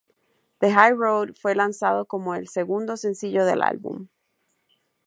The High Road fue lanzado como el segundo sencillo del álbum.